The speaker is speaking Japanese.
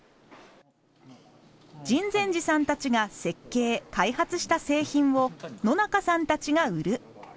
秦泉寺さんたちが設計・開発した製品を野中さんたちが売る。